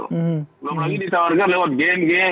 tapi ditawarkan lewat game game